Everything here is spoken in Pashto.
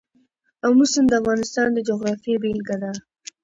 آمو سیند د افغانستان د جغرافیې بېلګه ده.